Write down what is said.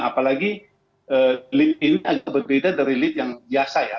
apalagi lift ini agak berbeda dari lift yang biasa ya